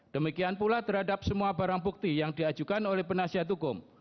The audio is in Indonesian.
demikian pula terhadap semua barang bukti yang diajukan oleh penasihat hukum